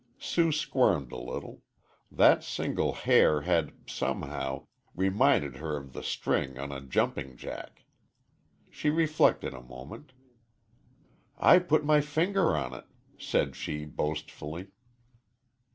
Sue squirmed a little. That single hair had, somehow, reminded her of the string on a jumping jack. She reflected a moment, "I put my finger on it," said she, boastfully.